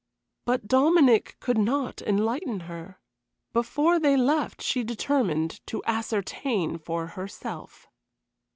But Dominic could not enlighten her. Before they left she determined to ascertain for herself.